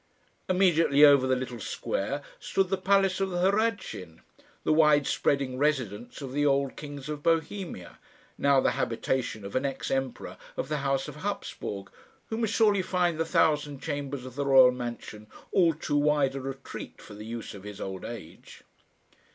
Immediately over the little square stood the palace of the Hradschin, the wide spreading residence of the old kings of Bohemia, now the habitation of an ex emperor of the House of Hapsburg, who must surely find the thousand chambers of the royal mansion all too wide a retreat for the use of his old age.